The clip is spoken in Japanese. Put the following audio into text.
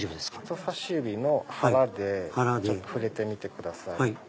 人さし指の腹で触れてみてください。